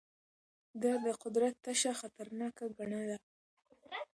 ده د قدرت تشه خطرناکه ګڼله.